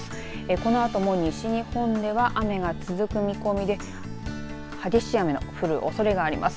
このあとも西日本では雨が続く見込みで、激しい雨の降るおそれがあります。